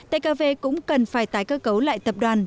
tkv cũng cần phải tái cơ cấu lại tập đoàn